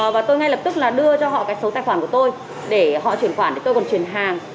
và tôi ngay lập tức là đưa cho họ cái số tài khoản của tôi để họ chuyển khoản thì tôi còn chuyển hàng